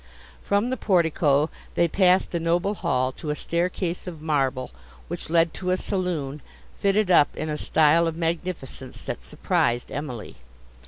From the portico they passed a noble hall to a staircase of marble, which led to a saloon, fitted up in a style of magnificence that surprised Emily.